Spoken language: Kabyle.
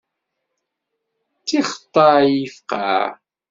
D tixeṭṭay i ifeqqeɛ.